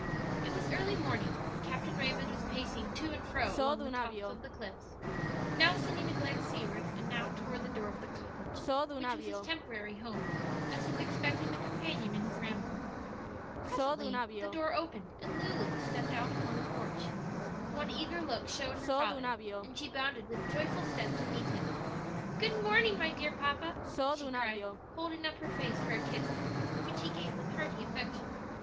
It was early morning; Captain Raymond was pacing to and fro along the top of the cliffs, now sending a glance seaward, and now toward the door of the cottage which was his temporary home, as if expecting a companion in his ramble. Presently the door opened and Lulu stepped out upon the porch. One eager look showed her father, and she bounded with joyful step to meet him. "Good morning, my dear papa," she cried, holding up her face for a kiss, which he gave with hearty affection.